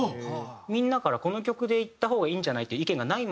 みんなからこの曲でいった方がいいんじゃない？っていう意見がない